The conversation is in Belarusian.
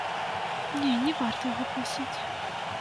Не, не варта яго прасіць.